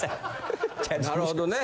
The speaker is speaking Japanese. なるほどね。